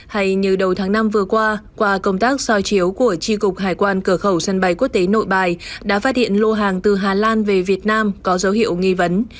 hay như đầu tháng năm vừa qua qua công tác soi chiếu của tri cục hải quan cửa khẩu sân bay quốc tế nội bài đã phát hiện lô hàng từ hà lan về việt nam có dấu hiệu nghi vấn